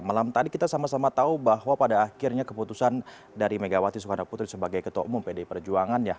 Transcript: malam tadi kita sama sama tahu bahwa pada akhirnya keputusan dari megawati soekarno putri sebagai ketua umum pdi perjuangan